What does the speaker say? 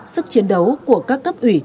sức chiến đấu của các cấp ủy